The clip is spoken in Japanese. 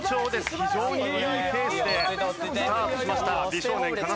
非常にいいペースでスタートしました美少年金指一世。